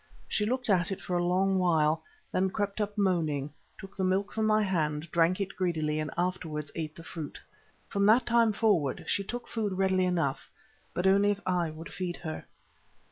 She looked at it for a long while, then crept up moaning, took the milk from my hand, drank it greedily, and afterwards ate the fruit. From that time forward she took food readily enough, but only if I would feed her.